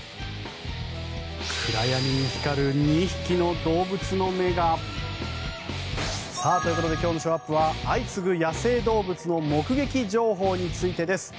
暗闇に光る２匹の動物の目が。ということで今日のショーアップは相次ぐ野生動物の目撃情報についてです。